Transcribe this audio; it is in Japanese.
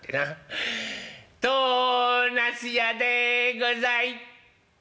となすやでござい！